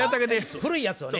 古いやつをね。